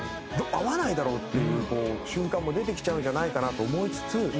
合わないだろうっていう瞬間も出てきちゃうんじゃないかなと思いつつ